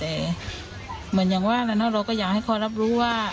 แต่เหมือนอย่างว่านะเราก็อยากให้เขารับรู้ว่า